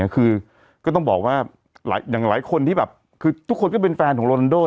คือก็ต้องบอกว่าอย่างหลายคนที่แบบคือทุกคนก็เป็นแฟนของโรนันโด